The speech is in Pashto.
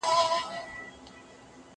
زه پرون ځواب ليکم!.